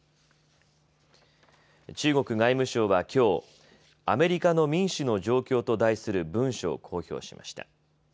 中国外務省はきょう、アメリカの民主の状況と題する文書を公表しました。